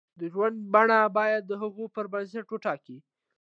د ژوند بڼه باید د هغو پر بنسټ وټاکي.